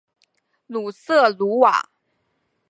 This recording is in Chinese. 鲁瑟卢瓦。